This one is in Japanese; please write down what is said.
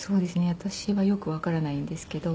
私はよくわからないんですけど。